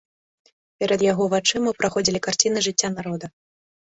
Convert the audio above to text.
Перад яго вачыма праходзілі карціны жыцця народа.